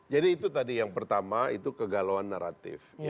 jadi itu tadi yang pertama itu kegalauan naratif